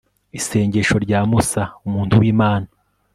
isengesho rya musa, umuntu w'imana